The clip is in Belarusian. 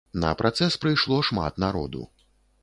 На працэс прыйшло шмат народу.